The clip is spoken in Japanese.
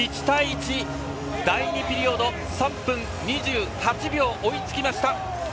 １対１、第２ピリオドの３分２８秒に追いつきました。